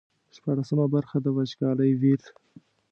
شپاړسمه برخه د وچکالۍ ویر.